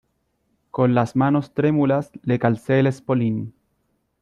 con las manos trémulas le calcé el espolín.